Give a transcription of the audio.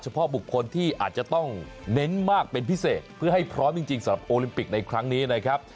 เพาะบุคคลที่อาจจะต้องเน้นมากเป็นพิเศษเพื่อให้พร้อมจริงสำหรับโอลิมปิกในครั้งนี้นะครับ